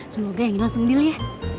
semoga yang ini langsung beli ya